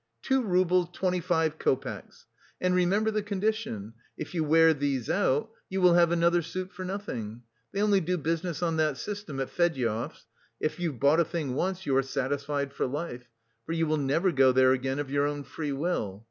Two roubles twenty five copecks! And remember the condition: if you wear these out, you will have another suit for nothing! They only do business on that system at Fedyaev's; if you've bought a thing once, you are satisfied for life, for you will never go there again of your own free will.